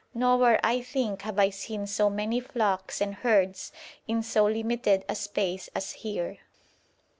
Nowhere, I think, have I seen so many flocks and herds in so limited a space as here.